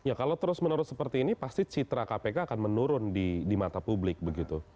ya kalau terus menerus seperti ini pasti citra kpk akan menurun di mata publik begitu